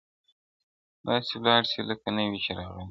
• داسي ولاړ سي لکه نه وي چي راغلی -